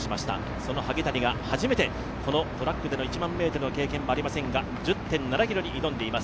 その萩谷が初めて、トラックでの１万メートルでの経験もありませんが、１０．７ｋｍに挑んでいます。